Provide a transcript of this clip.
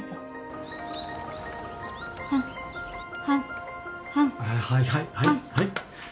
はいはいはいはい。